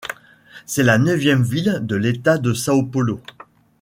C'est la neuvième ville de l'État de São Paulo.